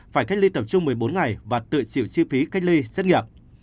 phải cách ly tập trung một mươi bốn ngày và tự chịu chi phí cách ly xét nghiệm